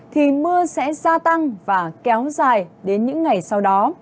thì mưa sẽ gia tăng và kéo dài đến những ngày sau đó